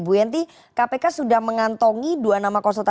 bu yanti kpk sudah mengantongi dua nama konsultan pajak sebagai pemerintah